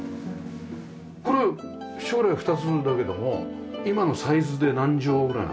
これ将来は２つだけども今のサイズで何畳ぐらいなんですか？